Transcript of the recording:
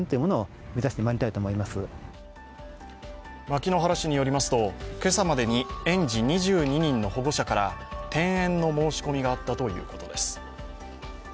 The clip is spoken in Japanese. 牧之原市によりますと今朝までに、園児２２人の保護者から転園の申し込みがあったということです。